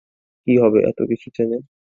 কী হবে এত কিছু জেনে?